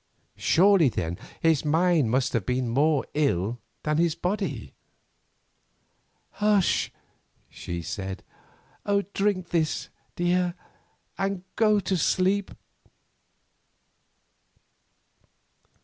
Surely, then, his mind must have been more ill than his body. "Hush!" she said, "drink this, dear, and go to sleep."